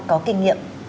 có kinh nghiệm